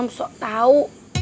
mam sok tau